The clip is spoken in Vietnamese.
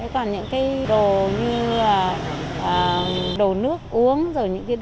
còn những cái đồ như đồ nước uống